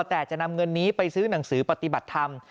แต่จะนำเงินนี้ไปซื้อหนังสือปฏิบัติธรรม